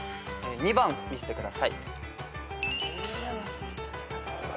２番見せてください。